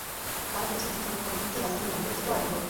তাঁরা বলছেন, এসব শহরের কোনো কোনোটি রাজধানী নমপেন থেকেও আয়তনে বড়।